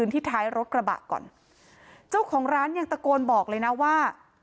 ที่ท้ายรถกระบะก่อนเจ้าของร้านยังตะโกนบอกเลยนะว่า